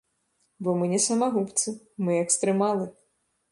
Бо мы не самагубцы, мы экстрэмалы.